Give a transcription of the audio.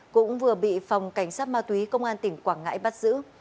cũng vừa bị phòng cảnh sát ma túy công an tỉnh quảng ngãi bắt giữ